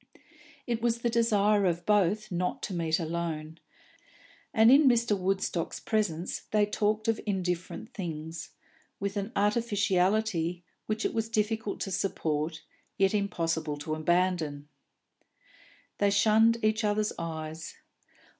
It was the desire of both not to meet alone, and in Mr. Woodstock's presence they talked of indifferent things, with an artificiality which it was difficult to support, yet impossible to abandon. They shunned each other's eyes.